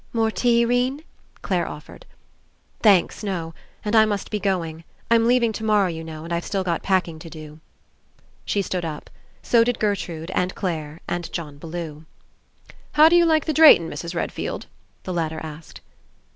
"More tea, 'Rene," Clare offered. ^'Thanks, no. And I must be going. I'm leaving tomorrow, you know, and I've still got packing to do." She stood up. So did Gertrude, and Clare, and John Bellew. "How do you like the Drayton, Mrs. Redfield?" the latter asked.